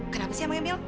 kenapa sih emangnya emil